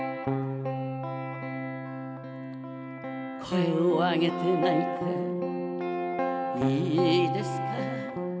「声をあげて泣いていいですか」